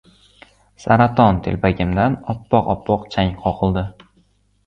Saraton telpagimdan oppoq-oppoq chang qo‘qidi.